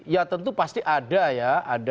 ya tentu pasti ada ya